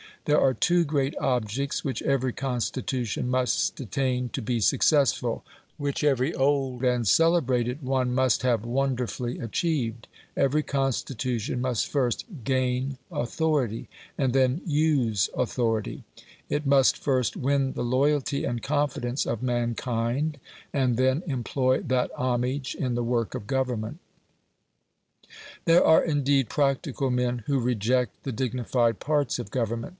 There are two great objects which every constitution must attain to be successful, which every old and celebrated one must have wonderfully achieved: every constitution must first GAIN authority, and then USE authority; it must first win the loyalty and confidence of mankind, and then employ that homage in the work of government. There are indeed practical men who reject the dignified parts of Government.